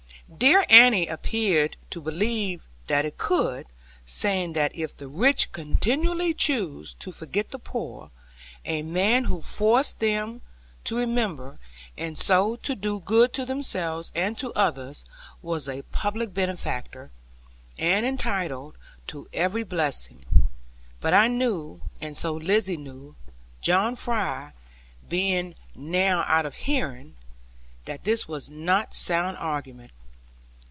Dear Annie appeared to believe that it could; saying that if the rich continually chose to forget the poor, a man who forced them to remember, and so to do good to themselves and to others, was a public benefactor, and entitled to every blessing. But I knew, and so Lizzie knew John Fry being now out of hearing that this was not sound argument.